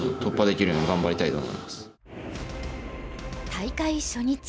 大会初日